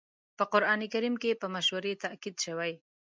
په قرآن کريم کې په مشورې تاکيد شوی.